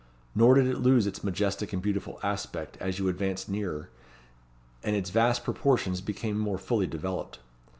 Nor did it lose its majestic and beautiful aspect as you advanced nearer, and its vast proportions became more fully developed.